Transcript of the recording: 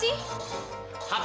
tidak ada apa apa